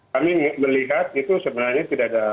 kami melihat itu sebenarnya tidak ada